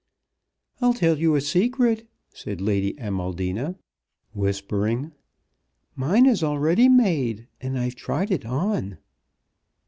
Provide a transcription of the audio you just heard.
"I'll tell you a secret," said Lady Amaldina, whispering. "Mine is already made, and I've tried it on."